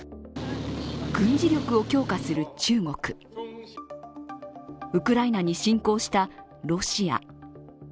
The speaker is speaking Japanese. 軍事力を強化する中国ウクライナに侵攻したロシア。